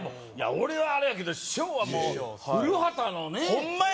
俺はあれやけど師匠はもうホンマや！